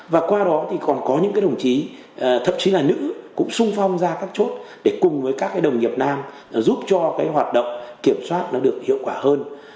và qua đó thì còn có những đồng chí thậm chí là nữ cũng sung phong ra các chốt để cùng với các đồng nghiệp nam giúp cho hoạt động kiểm soát được hiệu quả hơn